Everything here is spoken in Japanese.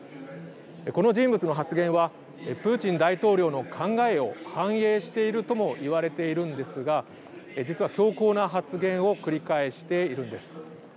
この人物の発言はプーチン大統領の考えを反映しているともいわれているんですが実は強硬な発言を繰り返しているんです。